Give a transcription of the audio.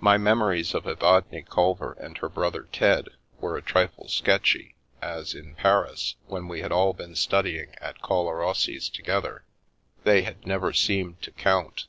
My memories of Evadne Culver and her brother Ted were a trifle sketchy, as in Paris, when we had all been study ing at Collarossi's together, they had never seemed to " count."